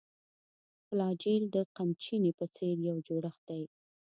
فلاجیل د قمچینې په څېر یو جوړښت دی.